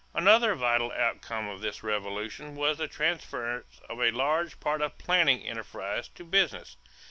Another vital outcome of this revolution was the transference of a large part of planting enterprise to business.